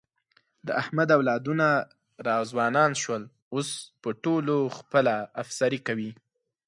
د احمد اولادونه را ځوانان شول، اوس په ټولو خپله افسري کوي.